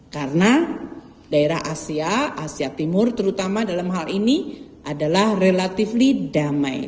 karena daerah asia asia timur terutama dalam hal ini adalah relatively damai